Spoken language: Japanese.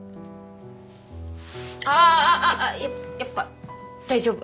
ああやっぱ大丈夫。